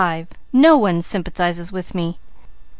"No one sympathizes with me!"